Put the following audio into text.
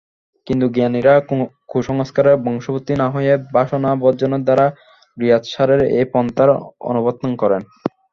কিন্তু জ্ঞানীরা কুসংস্কারের বশবর্তী না হয়ে বাসনা-বর্জনের দ্বারা জ্ঞাতসারেই এই পন্থার অনুবর্তন করেন।